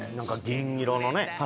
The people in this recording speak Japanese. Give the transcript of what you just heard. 銀色のね。